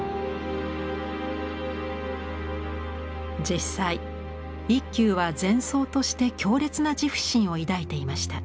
実際一休は禅僧として強烈な自負心を抱いていました。